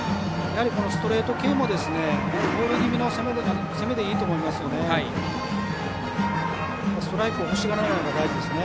ストレート系もボール気味の攻めでいいと思いますよね。